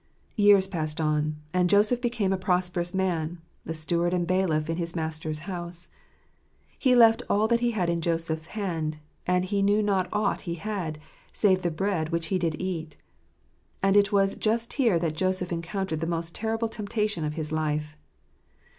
— Years passed on, and Joseph became a prosperous man, the steward and bailiff in his master's house. " He left all that he had in Joseph's hand ; and he knew not aught he had, save the bread which he did eat." And it was just here that Joseph encountered the most terrible temptation of his life.